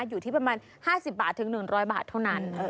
อยู่ที่ประมาณ๕๐บาทถึง๑๐๐บาทเท่านั้น